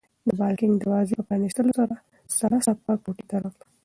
د بالکن د دروازې په پرانیستلو سره سړه څپه کوټې ته راغله.